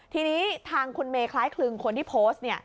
ทีนี้ทางคุณเมย์คล้ายคลึงคนที่โพสต์